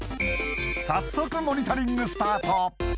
早速モニタリングスタート